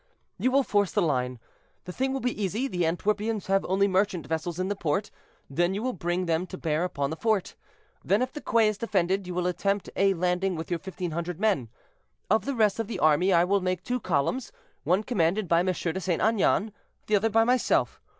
"You will force the line; the thing will be easy, the Antwerpians have only merchant vessels in the port; then you will bring them to bear upon the fort. Then, if the quay is defended, you will attempt a landing with your 1,500 men. Of the rest of the army I will make two columns: one commanded by M. de St. Aignan, the other by myself.